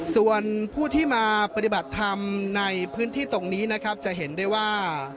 ส่วนผู้ที่มาปฏิบัติธรรมในพื้นที่ตรงนี้นะครับจะเห็นได้ว่า